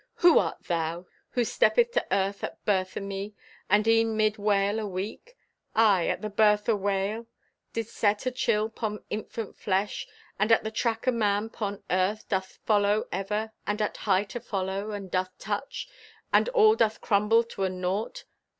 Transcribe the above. Who art thou, Who stepped to Earth at birth o' me, And e'en 'mid wail o' weak, Aye, at the birth o' wail, Did set a chill 'pon infant flesh; And at the track o' man 'pon Earth Doth follow ever, and at height afollow, And doth touch, And all doth crumble to a naught.